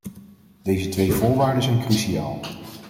Deze twee voorwaarden zijn cruciaal.